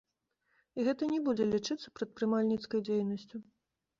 І гэта не будзе лічыцца прадпрымальніцкай дзейнасцю.